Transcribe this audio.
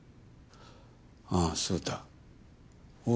ああそうだ大岩。